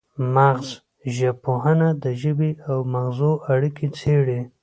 مغزژبپوهنه د ژبې او مغزو اړیکې څیړي